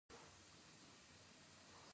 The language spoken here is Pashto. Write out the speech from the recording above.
چین په روغتیا او تعلیم کې پانګونه کوي.